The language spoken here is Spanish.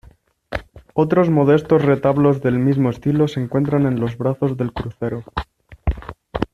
Otros modestos retablos del mismo estilo se encuentran en los brazos del crucero.